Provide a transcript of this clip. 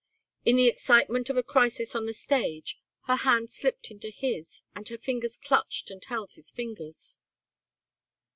In the excitement of a crisis on the stage her hand slipped into his and her fingers clutched and held his fingers.